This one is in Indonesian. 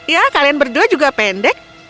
ya kalian berdua juga pendek